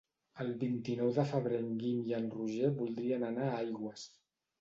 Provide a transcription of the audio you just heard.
El vint-i-nou de febrer en Guim i en Roger voldrien anar a Aigües.